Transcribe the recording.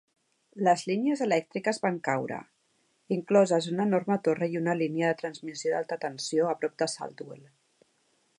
Les línies elèctriques van caure, incloses una enorme torre i una línia de transmissió d'alta tensió a prop de Saltwell.